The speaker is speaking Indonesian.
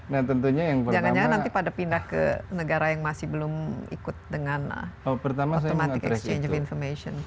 nah jangan jangan nanti pada pindah ke negara yang masih belum ikut dengan automatic exchange of information